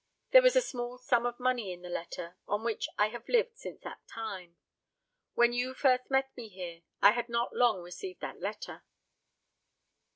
There was a small sum of money in the letter, on which I have lived since that time. When you first met me here, I had not long received that letter."